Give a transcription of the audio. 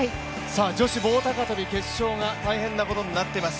女子棒高跳決勝が大変なことになっています。